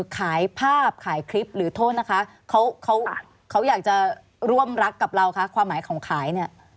ขายภาพขายคลิปหรือโทษนะคะเขาเขาอยากจะร่วมรักกับเราคะความหมายของขายเนี่ย